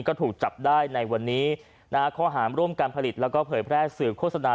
ก็ถูกจับได้ในวันนี้นะฮะข้อหามร่วมการผลิตแล้วก็เผยแพร่สื่อโฆษณา